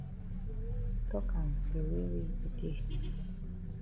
Tok am de way wey e dey.